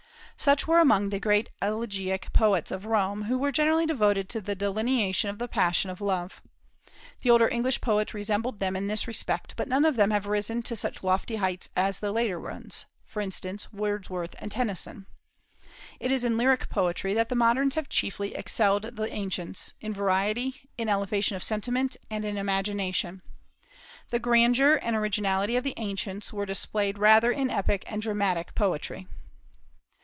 Such were among the great elegiac poets of Rome, who were generally devoted to the delineation of the passion of love. The older English poets resembled them in this respect, but none of them have risen to such lofty heights as the later ones, for instance, Wordsworth and Tennyson. It is in lyric poetry that the moderns have chiefly excelled the ancients, in variety, in elevation of sentiment, and in imagination. The grandeur and originality of the ancients were displayed rather in epic and dramatic poetry.